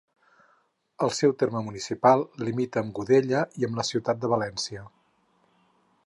El seu terme municipal limita amb Godella i amb la ciutat de València.